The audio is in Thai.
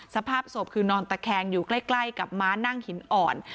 สภาพศพคือนอนตะแคงอยู่ใกล้กับม้านั่งหินอ่อน